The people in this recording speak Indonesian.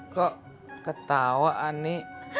kok ketawa ani